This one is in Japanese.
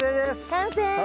完成！